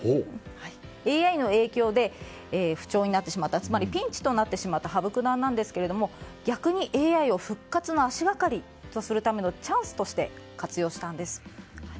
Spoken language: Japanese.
ＡＩの影響で不調になってしまった、つまりピンチとなってしまった羽生九段なんですが逆にＡＩを復活の足掛かりとするためのチャンスとして活用したんです。